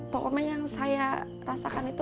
pokoknya yang saya rasakan itu